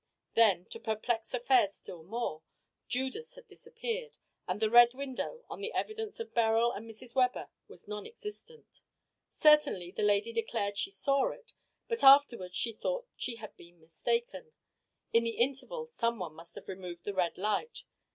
Then, to perplex affairs still more, Judas had disappeared, and the Red Window, on the evidence of Beryl and Mrs. Webber, was non existent. Certainly the lady declared she saw it, but afterwards she thought she had been mistaken. In the interval someone must have removed the red light.